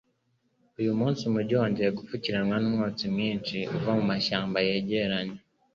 Uyu munsi umujyi wongeye gupfukiranwa numwotsi mwinshi uva mumashyamba yegeranye.